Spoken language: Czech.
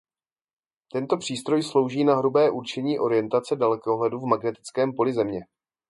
Tento přístroj slouží na hrubé určení orientace dalekohledu v magnetickém poli Země.